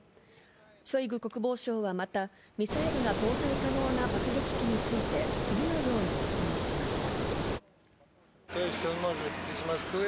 ショイグ国防相はまたミサイルが搭載可能な爆撃機について、次のように説明しました。